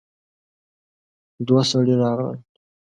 دوه سړي راغلل.